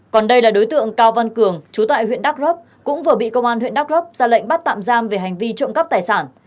còn đây là đối tượng cao văn cường chú tại huyện đắc rớp cũng vừa bị công an huyện đắc rớp ra lệnh bắt tạm giam về hành vi trộm cắp tài sản